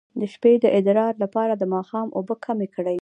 د شپې د ادرار لپاره د ماښام اوبه کمې کړئ